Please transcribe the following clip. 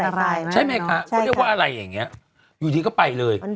ใช่ไหมคะเขาเรียกว่าอะไรอย่างเงี้ยอยู่ดีก็ไปเลย